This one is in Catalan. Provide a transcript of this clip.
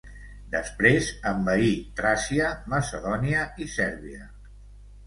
Després envaí Tràcia, Macedònia i Sèrbia.